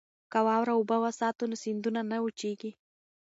که واوره اوبه وساتو نو سیندونه نه وچیږي.